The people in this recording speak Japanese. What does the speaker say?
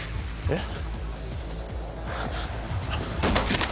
えっ？